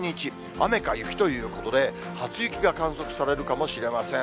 雨か雪ということで、初雪が観測されるかもしれません。